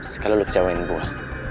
sekali lo kecewain gue